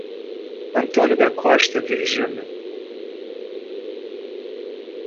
Antônio da Costa Virginio